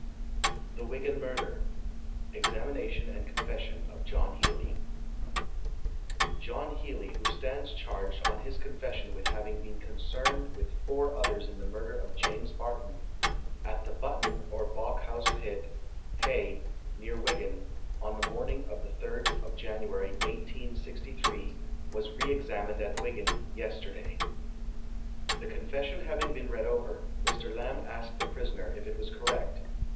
THE WIGAN MURDER. EXAMINATION AND CONFESSION OF JOHN HEALEY. John Healey, who stands charged on his confession with having been concerned with four others in the murder of James Barton, at the Button or Bawkhouse Pit, Haigh, near Wigan, on the morning of the 3rd of January, 1863, was re examined at Wigan, yesterday. The confession having been read over, Mr. Lamb asked the prisoner if it was correct.